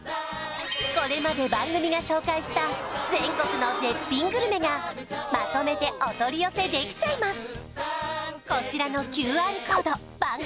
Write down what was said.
これまで番組が紹介した全国の絶品グルメがまとめてお取り寄せできちゃいます